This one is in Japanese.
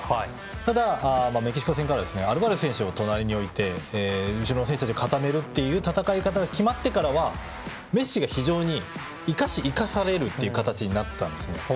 ただ、メキシコ戦からアルバレス選手を隣に置いて後ろの選手を固めるという戦い方が決まってからはメッシが非常に生かし、生かされる形になったんですね。